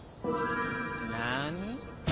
なに？